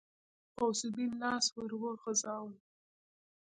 غوث الدين لاس ور وغځاوه.